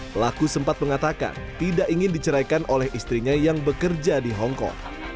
pelaku sempat mengatakan tidak ingin diceraikan oleh istrinya yang bekerja di hongkong